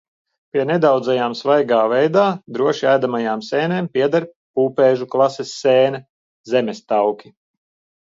Pie nedaudzajām svaigā veidā droši ēdamajām sēnēm pieder pūpēžu klases sēne – zemestauki.